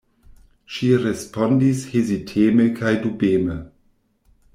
Ŝi respondis heziteme kaj dubeme: